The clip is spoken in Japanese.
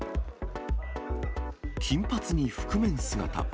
金髪に覆面姿。